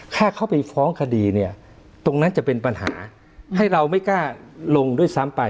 เข้าไปฟ้องคดีเนี่ยตรงนั้นจะเป็นปัญหาให้เราไม่กล้าลงด้วยซ้ำไป